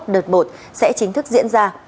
hai nghìn hai mươi một đợt một sẽ chính thức diễn ra